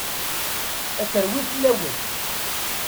Ad terwi fell-awen.